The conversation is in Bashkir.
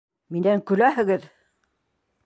Минән көләһегеҙ!